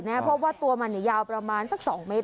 เพราะว่าตัวมันยาวประมาณสัก๒เมตร